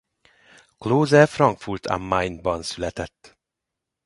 Klose Frankfurt am Main-ban született.